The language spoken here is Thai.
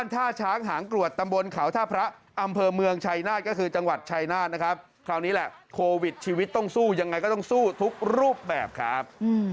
ท่าช้างหางกรวดตำบลเขาท่าพระอำเภอเมืองชัยนาธก็คือจังหวัดชายนาฏนะครับคราวนี้แหละโควิดชีวิตต้องสู้ยังไงก็ต้องสู้ทุกรูปแบบครับ